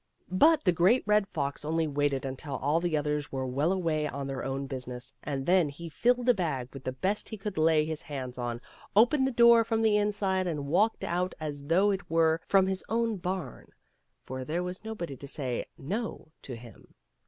But the Great Red Fox only waited until all the others were well away on their own business, and then he filled a bag with the best he could lay his hands on, opened the door from the inside, and walked out as though it were from his own barn ; for there was nobody to say " No " to him.